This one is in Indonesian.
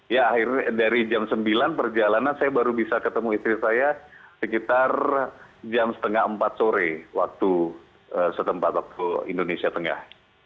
ya akhirnya dari jam sembilan perjalanan saya baru bisa ketemu istri saya sekitar jam setengah empat sore waktu setempat waktu indonesia tengah